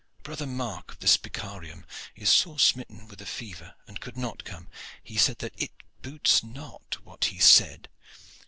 Brother Mark of the Spicarium is sore smitten with a fever and could not come. He said that " "It boots not what he said.